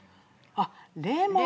あっレモン！